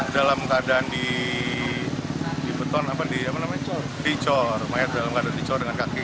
dalam keadaan di peton apa di mana mencoba dicor mayat dalam keadaan dicor dengan kaki